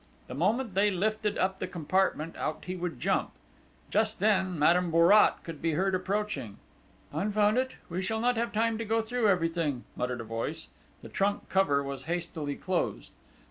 The moment they lifted up the compartment out he would jump. Just then, Madame Bourrat could be heard approaching. "Confound it! We shall not have time to go through everything!" muttered a voice. The trunk cover was hastily closed.